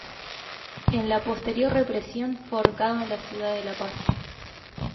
En la posterior represión fue ahorcado en la ciudad de La Paz.